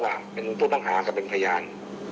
เอาระหว่างเป็นผู้ต่างหาเป็นพยาน